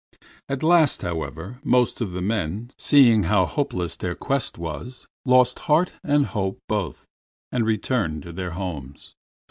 At last, however, most of the men, seeing how hopeless their quest was, lost heart and hope both, and returned to their homes.